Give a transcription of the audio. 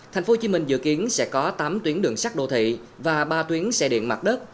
tp hcm dự kiến sẽ có tám tuyến đường sắt đô thị và ba tuyến xe điện mặt đất